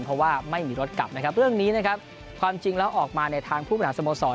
เพราะว่าไม่มีรถกลับนะครับเรื่องนี้นะครับความจริงแล้วออกมาในทางผู้บริหารสโมสร